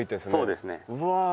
そうですね。